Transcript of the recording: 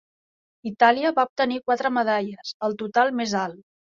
Itàlia va obtenir quatre medalles, el total més alt.